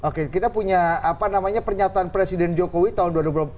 oke kita punya apa namanya pernyataan presiden jokowi tahun dua ribu delapan belas